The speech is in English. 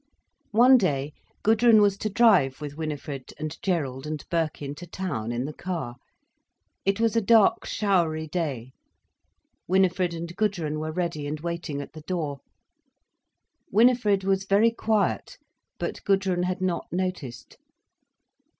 One day, Gudrun was to drive with Winifred and Gerald and Birkin to town, in the car. It was a dark, showery day. Winifred and Gudrun were ready and waiting at the door. Winifred was very quiet, but Gudrun had not noticed.